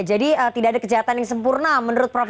jadi tidak ada kejahatan yang sempurna menurut prof